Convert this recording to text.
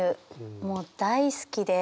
もう大好きで。